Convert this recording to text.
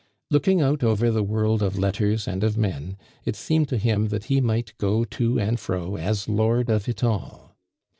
Looking out over the world of letters and of men, it seemed to him that he might go to and fro as lord of it all.